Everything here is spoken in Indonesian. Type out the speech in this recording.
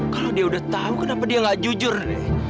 kalau dia udah tahu kenapa dia gak jujur